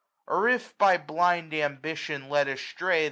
Or if, by blind ambition led astray.